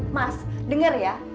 mas dengar ya